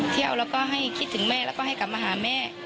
เที่ยวแล้วก็ให้คิดถึงแม่แล้วก็ให้กลับมาหาแม่